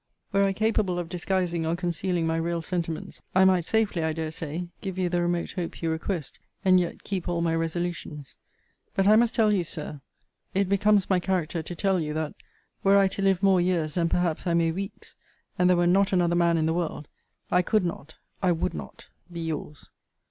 Were I capable of disguising or concealing my real sentiments, I might safely, I dare say, give you the remote hope you request, and yet keep all my resolutions. But I must tell you, Sir, (it becomes my character to tell you, that, were I to live more years than perhaps I may weeks, and there were not another man in the world, I could not, I would not, be your's.